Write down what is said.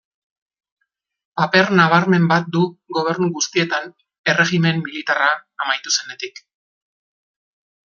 Paper nabarmen bat du gobernu guztietan erregimen militarra amaitu zenetik.